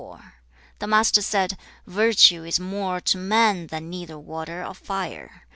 The Master said, 'Virtue is more to man than either water or fire.